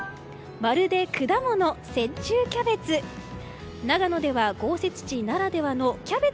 まるで果物、雪中キャベツ。